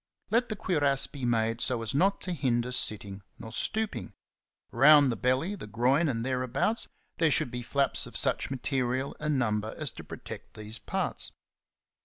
Let the cuirass be made so as not to hinder sitting nor stooping. Round the belly, the groin, and thereabouts, there should be flaps of such material and number as to pro tect these parts.